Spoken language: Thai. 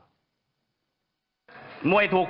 เตะมีเยาเวศ